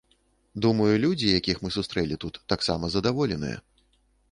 Думаю, людзі, якіх мы сустрэлі тут, таксама задаволеныя.